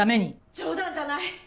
冗談じゃない。